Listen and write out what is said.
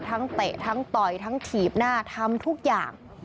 เตะทั้งต่อยทั้งถีบหน้าทำทุกอย่าง